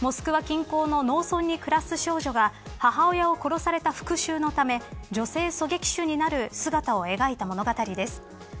モスクワ近郊の農村に暮らす少女が母親を殺された復讐のため女性狙撃手になる姿を描いた物語です。